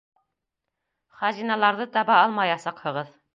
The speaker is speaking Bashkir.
Хазиналарҙы таба алмаясаҡһығыҙ.